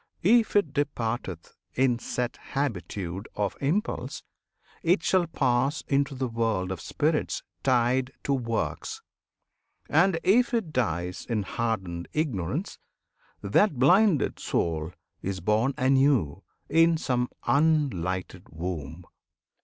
If it departeth in set habitude Of Impulse, it shall pass into the world Of spirits tied to works; and, if it dies In hardened Ignorance, that blinded soul Is born anew in some unlighted womb.